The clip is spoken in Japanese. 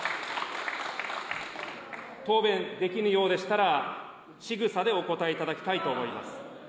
答弁できぬようでしたら、しぐさでお答えいただきたいと思います。